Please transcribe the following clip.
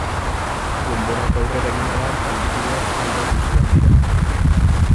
Denborak aurrea egin ahala, taldekideak aldatuz joan dira.